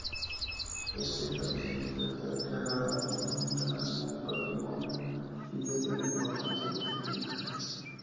Este establecimiento está declarada monumento nacional y patrimonio y es de gran importancia arquitectónica.